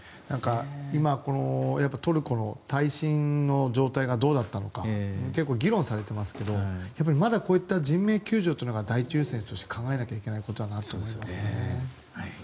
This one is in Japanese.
今トルコの耐震の状態がどうだったのか結構、議論されてますけどまだこういった人命救助というのを第一優先として考えなきゃいけないなと思いますね。